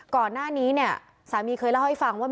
ก่อนหน้านี้เนี่ยสามีเคยเล่าให้ฟังว่า